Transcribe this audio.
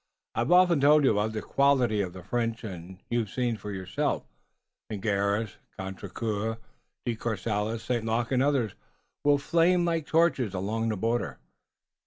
I've often told you about the quality of the French and you've seen for yourself. Ligneris, Contrecoeur, De Courcelles, St. Luc and the others will flame like torches along the border."